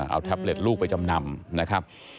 เอาแท็บเล็ตลูกไปจำนำนะครับ